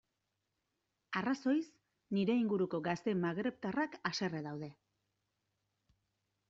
Arrazoiz, nire inguruko gazte magrebtarrak haserre daude.